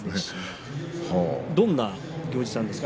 どんな行司さんですか？